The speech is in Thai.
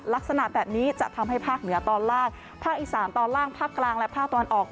ลักษณะแบบนี้จะทำให้ภาคเหนือตอนล่างภาคอีสานตอนล่างภาคกลางและภาคตะวันออก